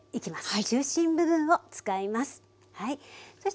中心部分を使います。